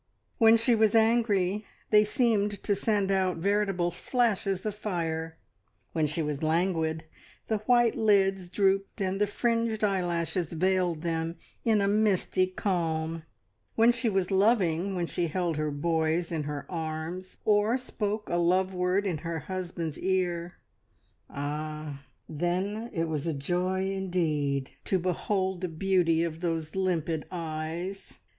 When she was angry, they seemed to send out veritable flashes of fire; when she was languid, the white lids drooped and the fringed eyelashes veiled them in a misty calm; when she was loving, when she held her boys in her arms, or spoke a love word in her husband's ear, ah! Then it was a joy indeed to behold the beauty of those limpid eyes!